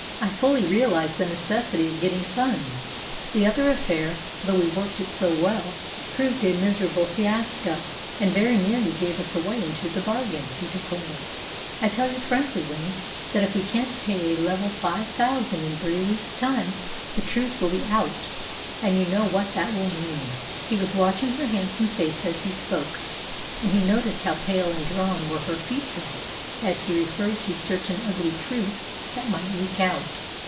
"I fully realise the necessity of getting funds. The other affair, though we worked it so well, proved a miserable fiasco." "And very nearly gave us away into the bargain," he declared. "I tell you frankly, Winnie, that if we can't pay a level five thousand in three weeks' time the truth will be out, and you know what that will mean." He was watching her handsome face as he spoke, and he noticed how pale and drawn were her features as he referred to certain ugly truths that might leak out.